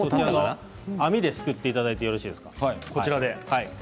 網ですくっていただいてよろしいですか。